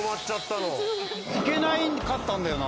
いけなかったんだよな。